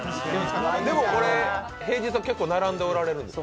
でも、平日は結構並んでらっしゃるんですか。